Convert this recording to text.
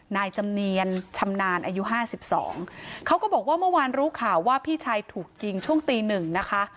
นายจำเนียนชำนาญอายุห้าสิบสองเขาก็บอกว่าเมื่อวานรู้ข่าวว่าพี่ชายถูกยิงช่วงตีหนึ่งนะคะ